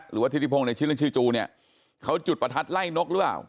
หรือว่าทิติพงในชื่นชื่อจูเนี่ยเขาจุดประทัดไล่นกเลือด